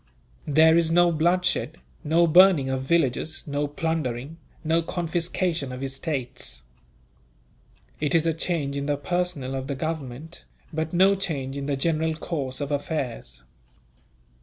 There is no bloodshed, no burning of villages, no plundering, no confiscation of estates. It is a change in the personnel of the government, but no change in the general course of affairs.